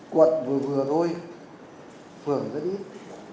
quận vừa vừa thôi phường rất ít